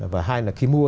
và hai là khi mua